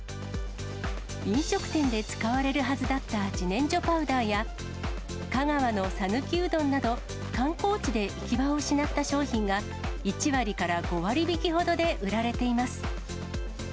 飲食店で使われるはずだった自然薯パウダーや、香川の讃岐うどんなど、観光地で行き場を失った商品が、１割から５割引きほどで売られています。